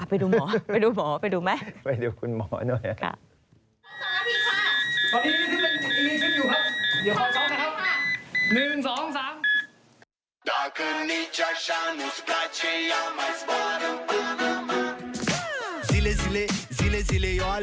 ไปดูคุณหมอหน่อย